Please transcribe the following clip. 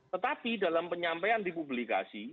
tetapi dalam penyampaian di publikasi